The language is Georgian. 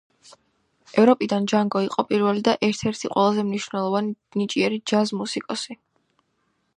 ევროპიდან ჯანგო იყო პირველი და ერთ-ერთი ყველაზე მნიშვნელოვანი ნიჭიერი ჯაზ-მუსიკოსი.